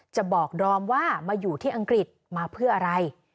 จะบอกดอมว่ามาอยู่ที่อังกฤษมาเพื่ออะไร